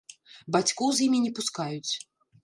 Бацькоў з імі не пускаюць.